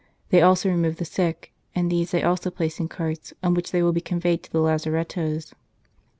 They also remove the sick; and these they also place in carts, on which they will be conveyed to the lazarettoes.